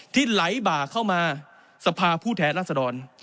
ที่ไหลบ่าเข้ามาสภาผู้แทนรัศดร